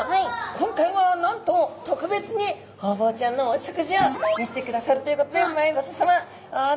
今回はなんと特別にホウボウちゃんのお食事を見せてくださるということで前里さまお願いいたします。